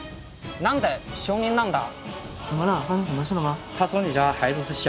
何で小人なんだ